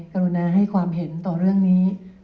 กรุณาให้ความเห็นต่อเรื่องนี้